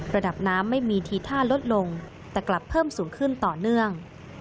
ระดับน้ำไม่มีทีท่าลดลงแต่กลับเพิ่มสูงขึ้นต่อเนื่อง